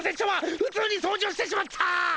ふつうに掃除をしてしまった！